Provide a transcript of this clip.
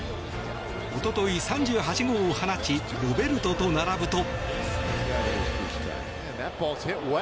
一昨日、３８号を放ちロベルトと並ぶと。